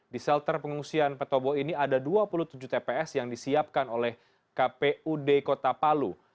di shelter pengungsian petobo ini ada dua puluh tujuh tps yang disiapkan oleh kpud kota palu